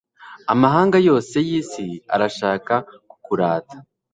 amahanga yose y'isi, arashaka kukurata